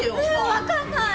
わかんない！